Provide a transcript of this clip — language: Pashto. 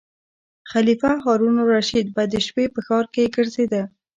خلیفه هارون الرشید به د شپې په ښار کې ګرځیده.